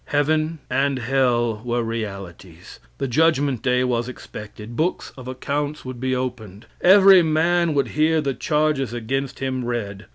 Heaven and hell were realities the judgment day was expected books of accounts would be opened. Every man would hear the charges against him read.